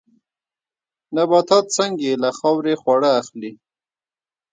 نباتات څنګه له خاورې خواړه اخلي؟